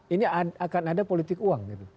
ini akan ada politik uang gitu